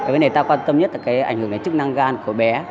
vấn đề ta quan tâm nhất là cái ảnh hưởng đến chức năng gan của bé